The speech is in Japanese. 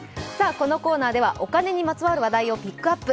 このコーナーではお金にまつわるニュースをピックアップ。